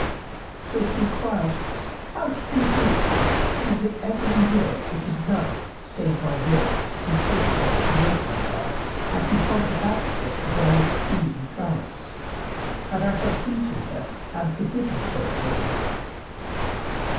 So she enquired, "How shall we do, seeing that every year it is none save my nurse who taketh us to walk in the garden and who pointeth out to us the various trees and plants; and I have beaten her and forbidden her from me?